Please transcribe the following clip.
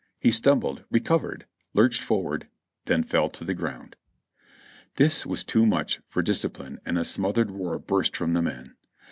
He stumbled, recovered, lurched forward, then fell to the ground. This was too much for discipline and a smothered roar burst from the men.